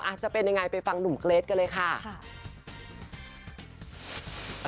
อาจจะเป็นอย่างไรไปฟังดุ่มเกรดกันเลยค่ะ